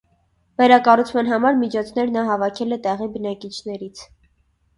Վերակառուցման համար միջոցներ նա հավաքել է տեղի բնակիչներից։